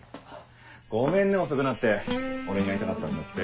ごめんね遅くなって俺に会いたかったんだって？